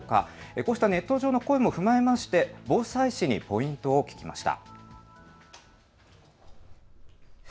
こうしたネット上の声も踏まえまして防災士にポイントを聞きました。